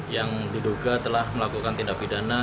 yang diduga telah melakukan tindak pidana